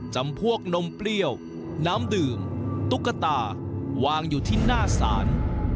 จำพวกนมเปรี้ยวน้ำดื่มตุ๊กตาวางอยู่ที่หน้าศาล